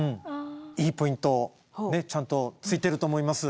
いいポイントをちゃんとついてると思います。